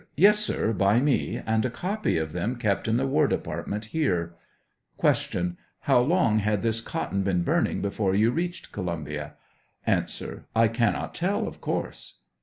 Yes, sir, by me, and a copy of them kept in the War Department here. Q. How long had this cotton been burning before you reached Columbia ? A. I cannot tell, of course.